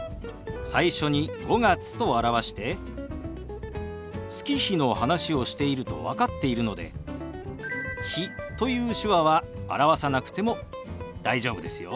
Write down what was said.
最初に「５月」と表して月日の話をしていると分かっているので「日」という手話は表さなくても大丈夫ですよ。